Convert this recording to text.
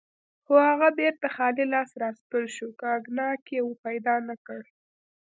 خو هغه بیرته خالي لاس راستون شو، کاګناک یې پیدا نه کړ.